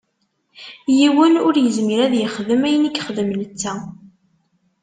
Yiwen ur izmir ad yexdem ayen i yexdem netta.